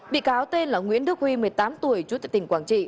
bị cáo tên là nguyễn đức huy một mươi tám tuổi chú tại tỉnh quảng trị